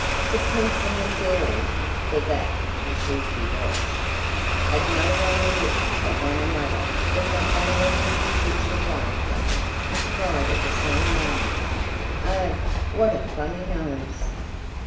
The Prince and the Fairy (for that was who she was) had no sooner looked at one another than they went into fits of laughter, and cried at the same moment, "Oh, what a funny nose!"